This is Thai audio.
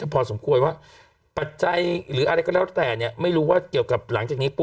พอสมควรว่าปัจจัยหรืออะไรก็แล้วแต่เนี่ยไม่รู้ว่าเกี่ยวกับหลังจากนี้ปุ